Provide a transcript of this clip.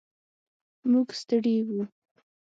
موږ ستړي و.